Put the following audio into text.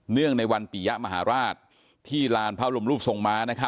เนื่องในวันปียะมหาราชที่ลานพระอลุมรูปส่งมา